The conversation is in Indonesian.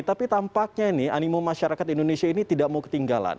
tapi tampaknya ini animo masyarakat indonesia ini tidak mau ketinggalan